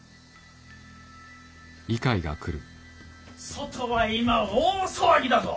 外は今大騒ぎだぞ。